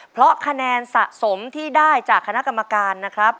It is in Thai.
เพราะคะแนนสะสมที่ได้จากคณะกรรมการนะครับ